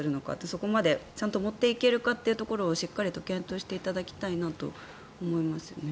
そこまでちゃんと持っていけるかっていうところをしっかり検討していただきたいなと思いますね。